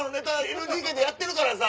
ＮＧＫでやってるからさ。